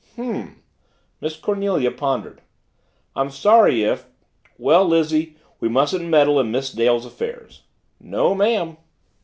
"H'm," Miss Cornelia pondered. "I'm sorry if well, Lizzie, we mustn't meddle in Miss Dale's affairs." "No, ma'am."